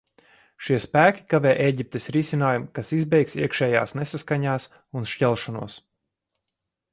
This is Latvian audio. Šie spēki kavē Ēģiptes risinājumu, kas izbeigs iekšējās nesaskaņās un šķelšanos.